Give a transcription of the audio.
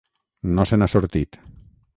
No se n’ha sortit.